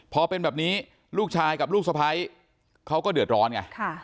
พอเป็นแบบนี้ลูกชายกับลูกสะพ้ายเขาก็เดือดร้อนไง